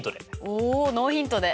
おおノーヒントで！